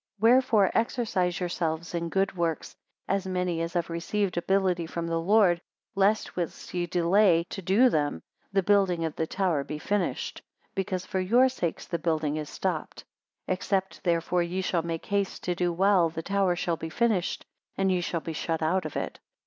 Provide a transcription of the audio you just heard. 28 Wherefore exercise yourselves in good works, as many as have received ability from the Lord; lest whilst ye delay to do them, the building of the tower be finished; because for your sakes the building is stopped. 29 Except therefore ye shall make haste to do well, the tower shall be finished, and ye shall be shut out of it.